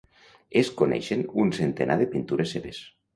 Es coneixen un centenar de pintures seves.